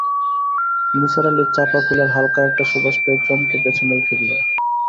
নিসার আলি চাঁপা ফুলের হালকা একটা সুবাস পেয়ে চমকে পেছনে ফিরলেন।